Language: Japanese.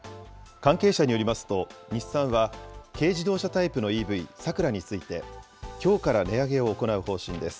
関係者によりますと、日産は、軽自動車タイプのＥＶサクラについて、きょうから値上げを行う方針です。